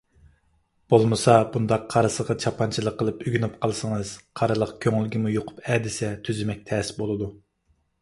بولمىسا، بۇنداق قارىسىغا چاپانچىلىق قىلىپ ئۆگىنىپ قالسىڭىز قارىلىق كۆڭۈلگىمۇ يۇقۇپ ئەدىسە تۈزىمەك تەس بولىدۇ.